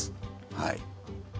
はい